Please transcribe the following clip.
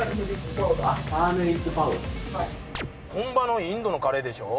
本場のインドのカレーでしょ。